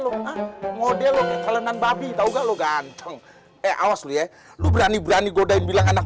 lo model lo kek kalenan babi tau gak lo ganteng eh awas lu ya lu berani berani godain bilang anak